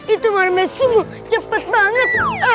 itu marme sumuh cepet banget